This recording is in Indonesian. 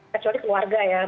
kecuali keluarga ya